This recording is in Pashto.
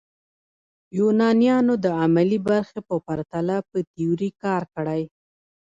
یونانیانو د عملي برخې په پرتله په تیوري کار کړی.